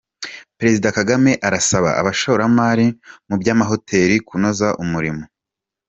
Perezida Kagame arasaba abashoramari mu by’amahoteli kunoza umurimo